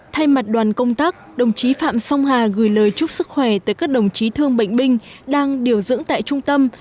thay mặt đoàn công tác đồng chí phạm song hà gửi lời chúc sức khỏe tới các đồng chí thương bệnh binh đang điều dưỡng tại trung tâm